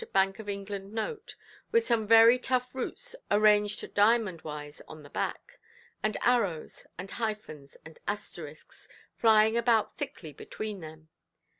Bank of England note, with some very tough roots arranged diamond–wise on the back, and arrows, and hyphens, and asterisks, flying about thickly between them.